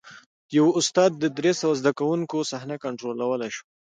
یوه استاد د درې سوه زده کوونکو صحنه کنټرولولی شوه.